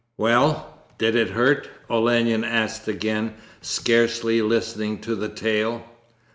"' 'Well, but did it hurt?' Olenin asked again, scarcely listening to the tale.